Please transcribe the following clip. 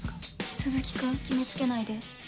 鈴木君決め付けないで。